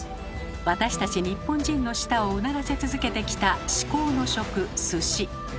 私たち日本人の舌をうならせ続けてきた至高の食「鮨」。